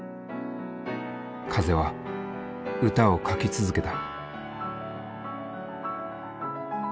風は歌を書き続けた。